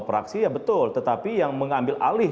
praksi ya betul tetapi yang mengambil alih